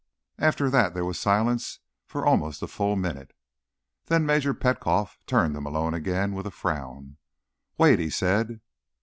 After that, there was silence for almost a full minute. Then Major Petkoff turned to Malone again with a frown. "Wait," he said.